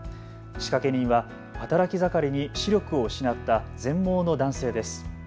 仕掛け人は働き盛りに視力を失った全盲の男性です。